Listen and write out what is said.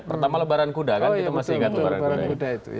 pertama lebaran kuda kan kita masih ingat lebaran kuda itu